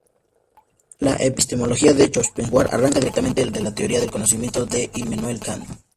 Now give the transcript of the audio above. La epistemología de Schopenhauer arranca directamente de la teoría del conocimiento de Immanuel Kant.